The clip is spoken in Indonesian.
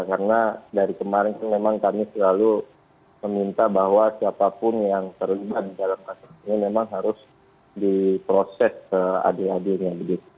karena dari kemarin memang kami selalu meminta bahwa siapapun yang terlibat di dalam kasus ini memang harus diproses adil adilnya